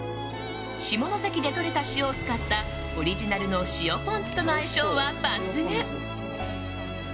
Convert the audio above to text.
下関でとれた塩を使ったオリジナルの塩ポン酢との相性は抜群。